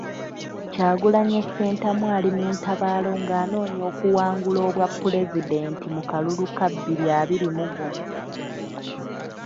Kyagulanyi Ssentamu ali mu ntabaalo ng'anoonya okuwangula obwapulezidenti mu kalulu ka bbiri abiri mu gumu.